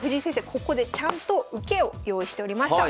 ここでちゃんと受けを用意しておりました。